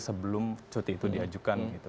sebelum cuti itu diajukan gitu